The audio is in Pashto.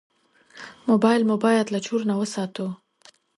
موبایل مو باید له چور نه وساتو.